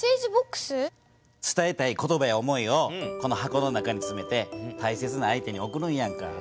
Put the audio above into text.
伝えたい言葉や思いを箱の中につめて大切な相手におくるんやんか。